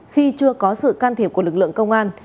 khi chưa có sự can thiệp của lực lượng công an